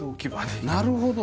なるほど。